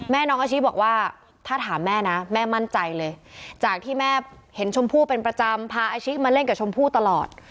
น้องอาชิบอกว่าถ้าถามแม่นะแม่มั่นใจเลยจากที่แม่เห็นชมพู่เป็นประจำพาอาชีพมาเล่นกับชมพู่ตลอด